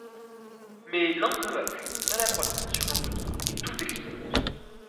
Mais l'un d'eux appuie maladroitement sur un bouton et tout explose.